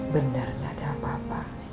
bener gak ada apa apa